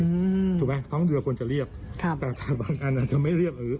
อืมถูกไหมท้องเรือควรจะเรียบครับแต่ถ้าบางอันอ่ะจะไม่เรียบอื้อ